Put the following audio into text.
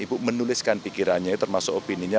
ibu menuliskan pikirannya termasuk opininya